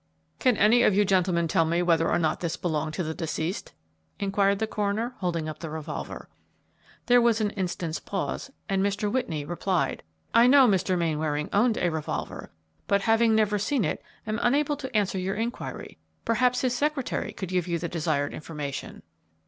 "Can any of you gentlemen tell me whether or not this belonged to the deceased?" inquired the coroner, holding up the revolver. There was an instant's pause, and Mr. Whitney replied, "I know that Mr. Mainwaring owned a revolver, but, having never seen it, am unable to answer your inquiry. Perhaps his secretary could give you the desired information."